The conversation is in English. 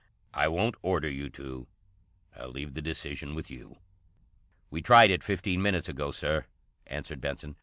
I won't order you to. I'll leave the decision with you." "We tried it fifteen minutes ago, Sir," answered Benson.